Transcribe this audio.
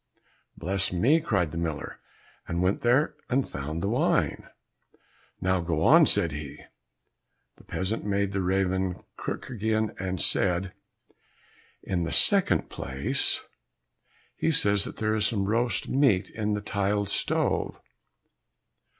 "Bless me!" cried the miller, and went there and found the wine. "Now go on," said he. The peasant made the raven croak again, and said, "In the second place, he says that there is some roast meat in the tiled stove."